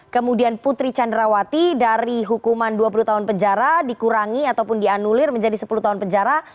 kemudian putri candrawati dari hukuman dua puluh tahun penjara dikurangi ataupun dianulir menjadi sepuluh tahun penjara